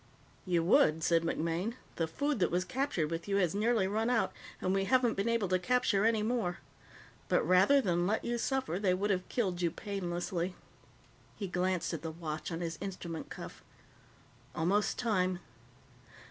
"You would," said MacMaine. "The food that was captured with you has nearly run out, and we haven't been able to capture any more. But rather than let you suffer, they would have killed you painlessly." He glanced at the watch on his instrument cuff. "Almost time."